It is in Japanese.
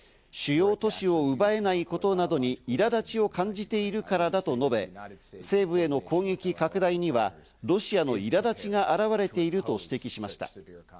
主要都市を奪えないことなどにいら立ちを感じているからだと述べ、西部への攻撃拡大にはロシアの苛立ちが表れていると指摘しました。